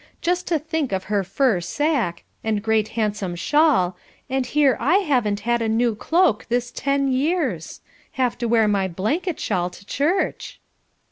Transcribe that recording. Just to think of her fur sacque, and great handsome shawl, and here I havn't had a new cloak this ten years have to wear my blanket shawl to church.